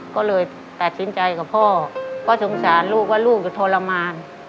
ก็เลยตัดสินใจกับพ่อเพราะสงสารลูกว่าลูกจะทรมาน